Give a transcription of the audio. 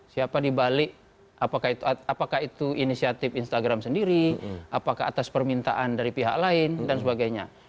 siapa dibalik apakah itu inisiatif instagram sendiri apakah atas permintaan dari pihak lain dan sebagainya